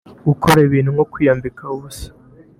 Gukora ibintu nko kwiyambika ubusa